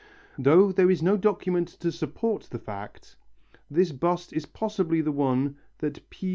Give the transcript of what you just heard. Though there is no document to support the fact, this bust is possibly the one that P.